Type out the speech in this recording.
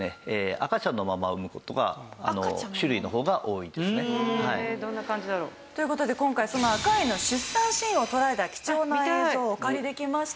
赤ちゃんのまま産む事が種類の方が多いんですね。という事で今回そのアカエイの出産シーンを捉えた貴重な映像をお借りできました。